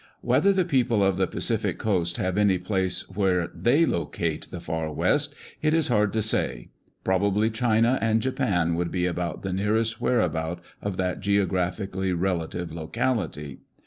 Whether the people of the Pacific coast have any place where they "locate" the "Far West," it is hard to say ; probably China and Japan would be about the nearest whereabout of that geogra phically relative locality.